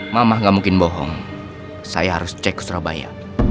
mama gak mungkin bohong saya harus cek ke surabaya